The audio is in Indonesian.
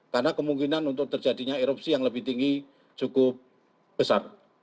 karena kemungkinan untuk terjadinya erupsi yang lebih tinggi cukup besar